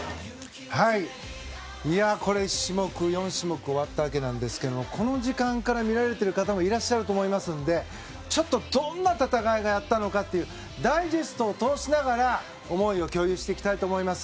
これ、１種目４種目終わったわけなんですがこの時間から見られている方もいらっしゃると思いますのでちょっとどんな戦いだったのかとダイジェストを通しながら思いを共有していきたいと思います。